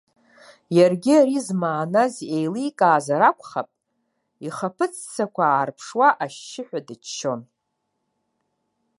Иаргьы ари змааназ еиликаазар акәхап, ихаԥыц ссақәа аарԥшуа ашьшьыҳәа дыччон.